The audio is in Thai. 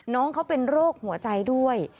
น้องเขาเป็นโรคหัวใจด้วย